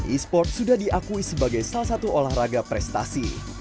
esports sudah diakui sebagai salah satu olahraga prestasi